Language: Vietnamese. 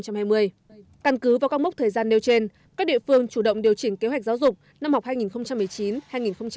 căn cứ vào các mốc thời gian nêu trên các địa phương chủ động điều chỉnh kế hoạch giáo dục